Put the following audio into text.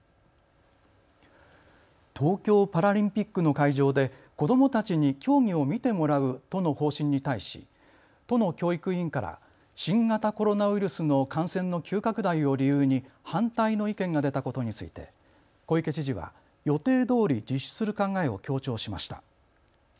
東京パラリンピックの会場で子どもたちに競技を見てもらう都の方針に対し都の教育委員会から新型コロナウイルスの感染の急拡大を理由に反対の意見が出たことについて小池知事は予定どおり実施する考えを強調しました。